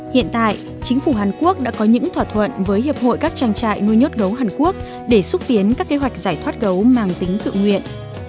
hiện tại chính phủ hàn quốc đã có những thỏa thuận với hiệp hội các trang trại nuôi nhốt gấu hàn quốc để xúc tiến các kế hoạch giải thoát gấu mang tính tự nguyện